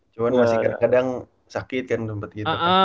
cuma masih kadang sakit kan tempat gitu